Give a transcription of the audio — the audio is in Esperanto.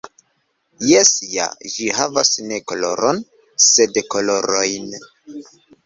Jes ja, ĝi havas ne koloron, sed kolorojn.